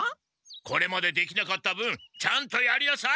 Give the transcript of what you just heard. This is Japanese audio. これまでできなかった分ちゃんとやりなさい！